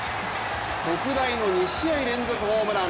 特大の２試合連続ホームラン。